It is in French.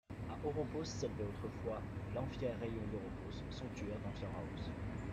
À Oropos s’élevait autrefois l’Amphiaréion d'Oropos, sanctuaire d’Amphiaraos.